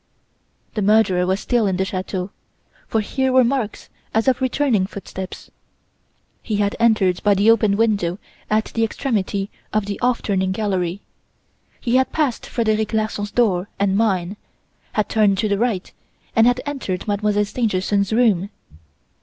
"The murderer was still in the chateau, for here were marks as of returning footsteps. He had entered by the open window at the extremity of the 'off turning' gallery; he had passed Frederic Larsan's door and mine, had turned to the right, and had entered Mademoiselle Stangerson's room.